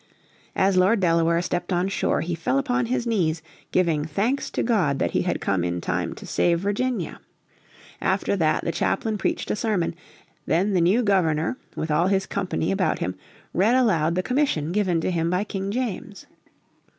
As Lord Delaware stepped on shore he fell upon his knees giving thanks to God that he had come in time to save Virginia. After that the chaplain preached a sermon, then the new Governor, with all his company about him, read aloud the commission given to him by King James.